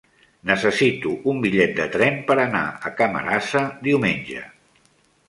Necessito un bitllet de tren per anar a Camarasa diumenge.